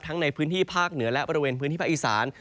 ในพื้นที่ภาคเหนือและบริเวณพื้นที่ภาคอีสาน